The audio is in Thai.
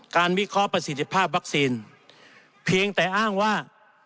วิเคราะห์ประสิทธิภาพวัคซีนเพียงแต่อ้างว่า